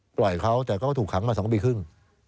ปล่อยเขาแต่ก็ถูกขังมา๒ปีครึ่ง